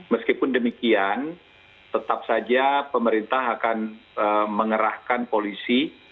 meskipun demikian tetap saja pemerintah akan mengerahkan polisi